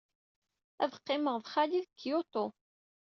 Ad qqimeɣ ed xali deg Kyoto.